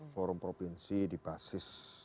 forum provinsi di basis